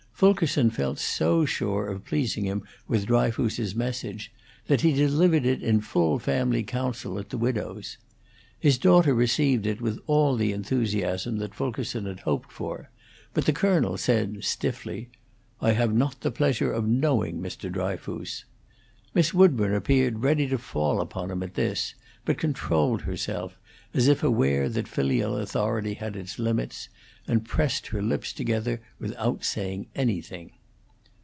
Fulkerson felt so sure of pleasing him with Dryfoos's message that he delivered it in full family council at the widow's. His daughter received it with all the enthusiasm that Fulkerson had hoped for, but the colonel said, stiffly, "I have not the pleasure of knowing Mr. Dryfoos." Miss Woodburn appeared ready to fall upon him at this, but controlled herself, as if aware that filial authority had its limits, and pressed her lips together without saying anything.